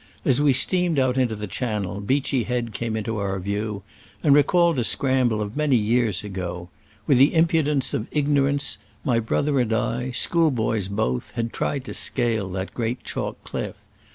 As we steamed out into the Channel, Beachy Head came into view, and re called a scramble of many years ago. With the impudence of ignorance, my brother and I, schoolboys both, had tried to scale that great chalk cliff.